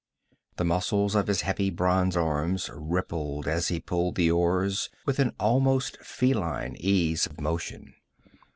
The muscles of his heavy bronzed arms rippled as he pulled the oars with an almost feline ease of motion.